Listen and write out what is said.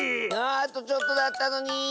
ああとちょっとだったのに。